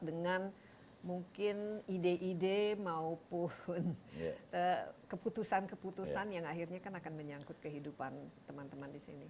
dengan mungkin ide ide maupun keputusan keputusan yang akhirnya kan akan menyangkut kehidupan teman teman di sini